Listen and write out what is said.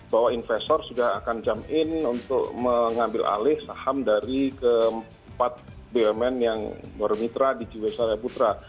bahwa investor sudah akan jump in untuk mengambil alih saham dari keempat bumn yang bermitra di jiwasraya putra